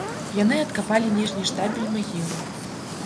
Яны адкапалі ніжні штабель магілы.